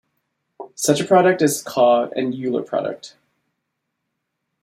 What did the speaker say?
Such a product is called an Euler product.